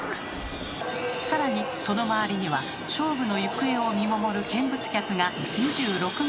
さらにその周りには勝負の行方を見守る見物客が２６万人以上。